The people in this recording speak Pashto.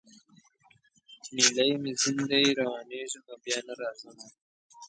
نیلی مي ځین دی روانېږمه بیا نه راځمه